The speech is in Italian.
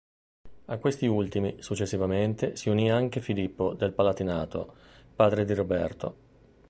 A questi ultimi, successivamente, si unì anche Filippo del Palatinato, padre di Roberto.